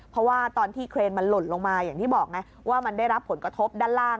เพราะว่าตอนที่เครนมันหล่นลงมาเหมือนด้านล่างได้รับผลกระทบ